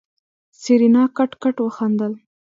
سېرېنا کټ کټ وخندل.